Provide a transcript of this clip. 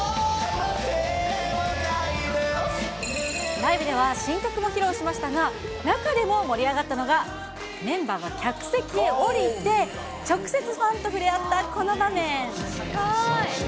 ライブでは新曲も披露しましたが、中でも盛り上がったのが、メンバーが客席へおりて、直接ファンと触れ合ったこの場面。